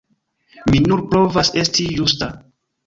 Mi nur provas esti justa!